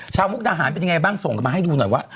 ชาวมุกดาหารเป็นอย่างไรบ้างส่งมาให้ดูหน่อยว่า